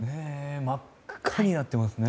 真っ赤になってますね。